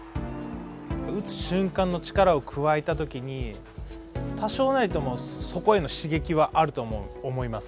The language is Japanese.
打つ瞬間の力を加えたときに、多少なりともそこへの刺激はあると思います。